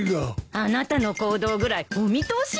あなたの行動ぐらいお見通しよ。